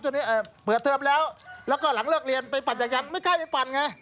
ตัวนี้เปิดเทอมแล้วแล้วก็หลังเลิกเรียนไปปั่นจักรยานไม่กล้าไปปั่นไง